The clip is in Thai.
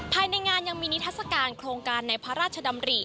ภายในงานยังมีนิทัศกาลโครงการในพระราชดำริ